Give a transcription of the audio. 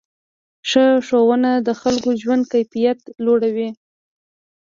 ښه ښوونه د خلکو ژوند کیفیت لوړوي.